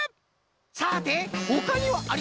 さてほかにはありますかな？